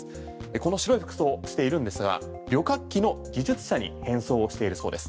この白い服装しているんですが旅客機の技術者に変装しているそうです。